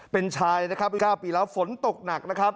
เป็นชาย๙ปีแล้วฝนตกหนัก